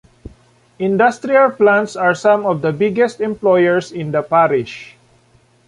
Industrial plants are some of the biggest employers in the parish.